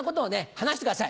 話してください。